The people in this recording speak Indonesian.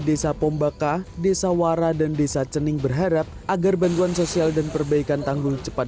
desa pombaka desa wara dan desa cening berharap agar bantuan sosial dan perbaikan tanggul cepat